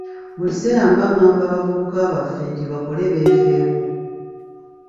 Buli kiseera mba ngamba abavubuka baffe nti bakole beefeeko.